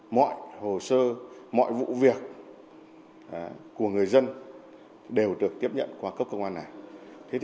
mọi hồ sơ mọi vụ việc của người dân đều được tiếp nhận qua cấp công an này